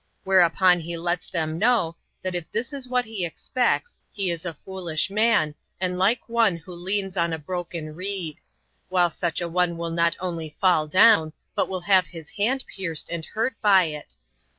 Whereupon he lets him know, that if this be what he expects, he is a foolish man, and like one who leans on a broken reed; while such a one will not only fall down, but will have his hand pierced and hurt by it.